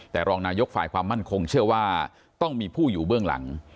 แต่รองนายกฝ่ายความมั่นคงเชื่อว่าต้องมีผู้อยู่เบื้องหลัง